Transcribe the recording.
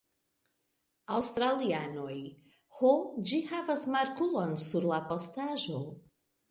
Australianoj. Ho, ĝi havas markulon sur la postaĵo.